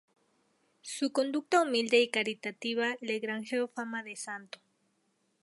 Su conducta humilde y caritativa le granjeó fama de santo.